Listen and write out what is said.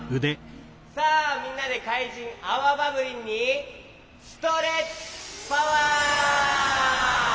さあみんなでかいじんアワバブリンにストレッチパワー！